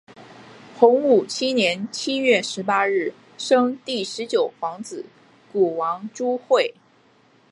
洪武七年七月十八日生第十九皇子谷王朱橞。